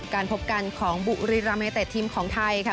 การพบกันของบุรีรำเนเต็ดทีมของไทยค่ะ